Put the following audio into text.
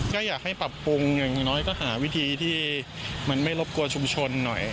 ก็อยากให้ปรับปรุงอย่างน้อยก็หาวิธีที่มันไม่รบกวนชุมชนหน่อย